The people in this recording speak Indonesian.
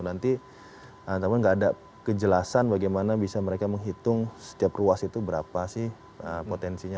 nanti namun nggak ada kejelasan bagaimana bisa mereka menghitung setiap ruas itu berapa sih potensinya